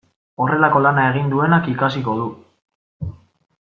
Horrelako lana egin duenak ikasiko du.